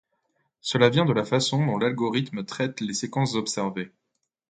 Cela vient de la façon dont l'algorithme traite les séquences observées.